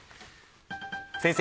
先生